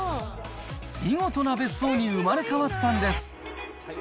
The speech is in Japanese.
見事な別荘に生まれ変わったんです。